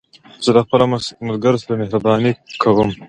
زه له خپلو ملګرو سره مهربانې کوم.